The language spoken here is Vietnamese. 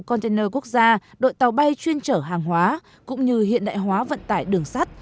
container quốc gia đội tàu bay chuyên trở hàng hóa cũng như hiện đại hóa vận tải đường sắt